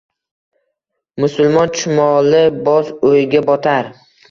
Musulmon chumoli boz o’yga botar